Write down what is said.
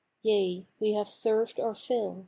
Yea, we have served our fill.